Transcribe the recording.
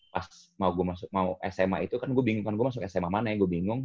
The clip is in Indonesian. pas mau sma itu kan gue bingung kan gue masuk sma mana ya gue bingung